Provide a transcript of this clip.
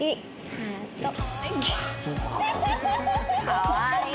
かわいい。